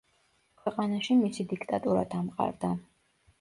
ქვეყანაში მისი დიქტატურა დამყარდა.